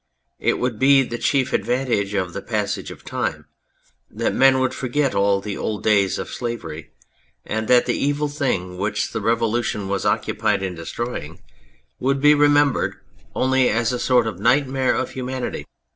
It would be the chief advantage of the passage of time that men would forget all the old days of slavery, and that the evil thing which the Revolution was occupied in destroying would be 274 The Judgment of Robespierre remembered only as a sort of nightmare of humanity.